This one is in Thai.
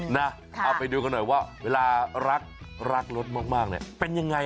เอาไปดูกันหน่อยว่าเวลารักรักรถมากเนี่ยเป็นยังไง